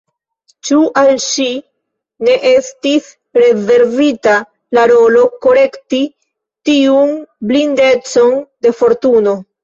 Ĉu al ŝi ne estis rezervita la rolo korekti tiun blindecon de Fortuno.